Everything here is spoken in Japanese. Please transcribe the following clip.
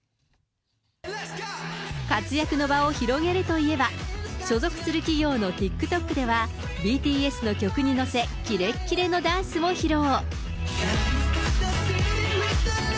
活躍の場を広げるといえば、所属する企業のＴｉｋＴｏｋでは、ＢＴＳの曲に載せて、キレッキレのダンスを披露。